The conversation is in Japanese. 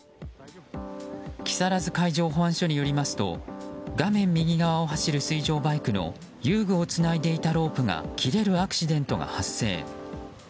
木更津海上保安署によりますと画面右側を走る水上バイクの遊具をつないでいたロープが切れるアクシデントが発生。